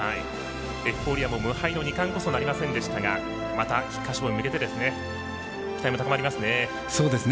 エフフォーリアの無敗の二冠こそなりませんでしたがまた菊花賞に向けて期待も高まりますね。